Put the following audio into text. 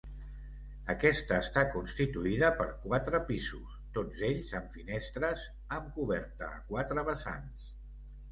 Aquesta està constituïda per quatre pisos, tots ells amb finestres, amb coberta a quatre vessants.